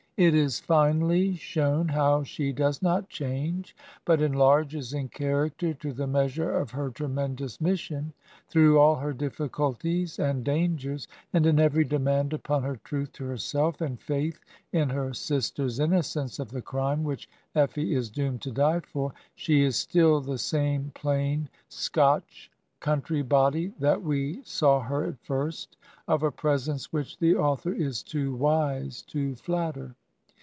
It is finely shown how she does not change, but enlarges in character to the measure of her tremen dous mission. Through all her difficulties and dangers, and in every demand upon her truth to herself and faith in her sister's innocence of the crime which Effie is doomed to die for, she is still the same plain Scotch country body that we saw her at first, of a presence which the author is too wise to flatter.